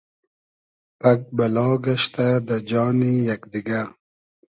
پئگ بئلا گئشتۂ دۂ جانی یئگ دیگۂ